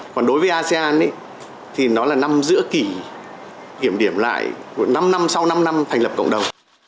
còn đối với asean thì nó là năm giữa kỷ kiểm điểm lại của năm năm sau năm năm thành lập cộng đồng